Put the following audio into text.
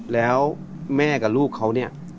แล้วแม่กับลูกเขา